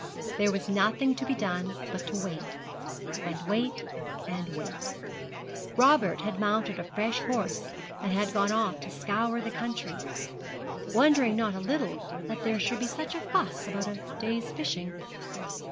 There was nothing to be done but to wait, and wait, and wait. Robert had mounted a fresh horse and had gone off to scour the country, wondering not a little that there should be such a fuss about a day's fishing.